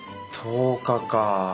１０日か。